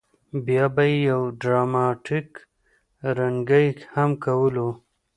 بیا به یې یو ډراماتیک رینګی هم کولو.